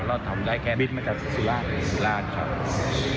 เราทำได้แค่วิทย์มาจากสุราชน์